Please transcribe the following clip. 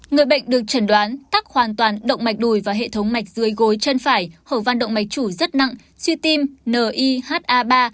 người bệnh được trần đoán tắc hoàn toàn động mạch đùi và hệ thống mạch dưới gối chân phải hầu văn động mạch chủ rất nặng suy tim niha ba